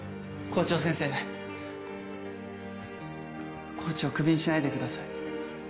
コーチをクビにしないでください。